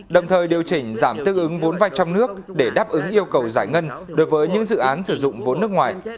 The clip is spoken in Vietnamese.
đồng thời điều chỉnh giảm tư ứng vốn vay trong nước để đáp ứng yêu cầu giải ngân đối với những dự án sử dụng vốn nước ngoài